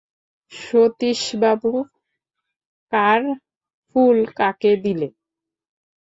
সতীশবাবু, কার ফুল কাকে দিলে?